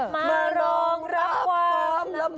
มารองรับความลำบาก